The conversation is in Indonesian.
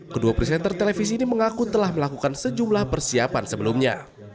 kedua presenter televisi ini mengaku telah melakukan sejumlah persiapan sebelumnya